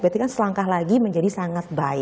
berarti kan selangkah lagi menjadi sangat baik